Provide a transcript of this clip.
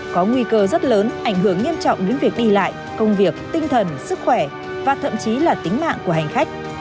có nguy cơ rất lớn ảnh hưởng nghiêm trọng đến việc đi lại công việc tinh thần sức khỏe và thậm chí là tính mạng của hành khách